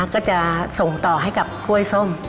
ก็จะส่งต่อให้กับกล้วยส้ม